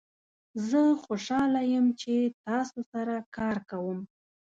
زه خوشحال یم چې تاسو سره کار کوم.